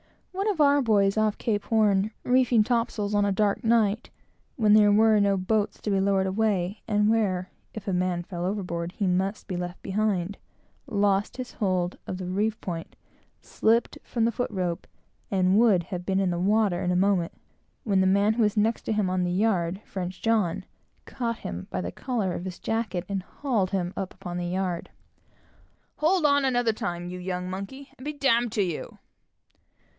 One of our boys, when off Cape Horn, reefing topsails of a dark night, and when there were no boats to be lowered away, and where, if a man fell overboard he must be left behind, lost his hold of the reef point, slipped from the foot rope, and would have been in the water in a moment, when the man who was next to him on the yard caught him by the collar of his jacket, and hauled him up upon the yard, with "Hold on, another time, you young monkey, and be d d to you!"